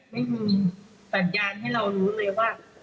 ไม่มีแสดงให้เรารู้เลยว่า